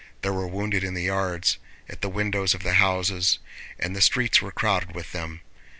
There were wounded in the yards, at the windows of the houses, and the streets were crowded with them.